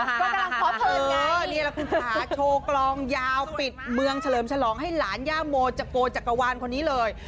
ตอนนี้คุณขาโชว์กลองยาวปิดเมืองเฉลิมฉลองให้หลานย่าโมจักโกจักรวาลคนนี้เลย